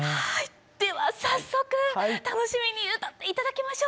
では早速楽しみに歌って頂きましょう。